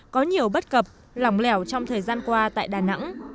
có nhiều bất cập lỏng lẻo trong thời gian qua tại đà nẵng